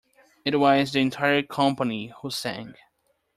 It was the entire company who sang.